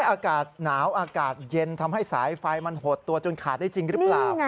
อากาศหนาวอากาศเย็นทำให้สายไฟมันหดตัวจนขาดได้จริงหรือเปล่า